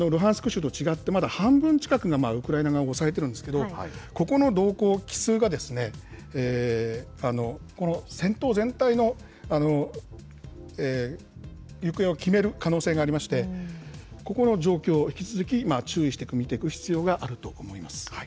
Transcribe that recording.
州と違って、半分近くがウクライナ側が押さえてるんですけど、ここの動向、帰すうが、この戦闘全体の行方を決める可能性がありまして、ここの状況、引き続き注意して見ていく必要があると思います。